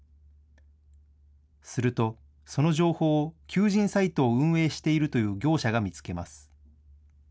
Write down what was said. すると、その情報を求人サイトを運営しているという業者が見つけます。